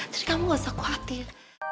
terus kamu gak usah khawatir